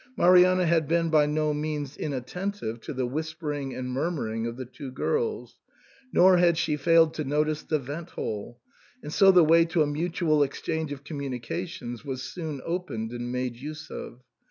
Marianna had been by no means inattentive to the whispering and murmuring of the two girls, nor had she failed to notice the vent hole, and so the way to a mutual ex change of communications was soon opened and made use of.